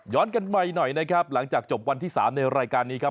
กันใหม่หน่อยนะครับหลังจากจบวันที่๓ในรายการนี้ครับ